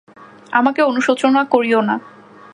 আমাকে অনুশোচনা করিও না।